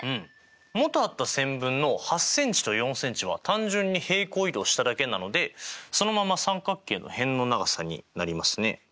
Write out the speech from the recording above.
元あった線分の８ｃｍと４ｃｍは単純に平行移動しただけなのでそのまま三角形の辺の長さになりますね。